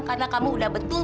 karena kamu udah berjalan